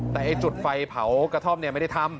แต่ไอ้จุดไฟเผากระทอบเนี่ยไม่ได้ทำ